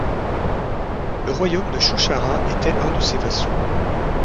Le royaume de Shusharra était un de ses vassaux.